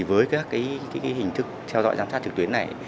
với các hình thức theo dõi giám sát trực tuyến này